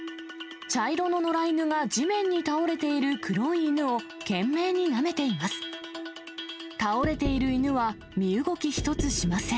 茶色の野良犬が地面に倒れている黒い犬を、懸命になめています。